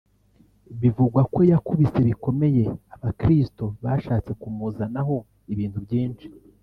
bivugwa ko yakubise bikomeye abakristo bashatse kumuzanaho ibintu byinshi